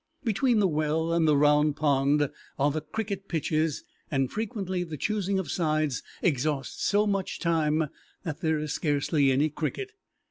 Between the well and the Round Pond are the cricket pitches, and frequently the choosing of sides exhausts so much time that there is scarcely any cricket.